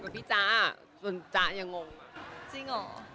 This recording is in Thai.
พี่จ้าจ้ายังงจริงหรือ